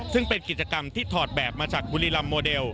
ซึ่งเป็นกิจกรรมที่ถอดแบบมาจากบุรีรำโมเดล